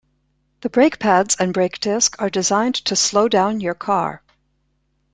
The brake pads and brake disc are designed to slow down your car.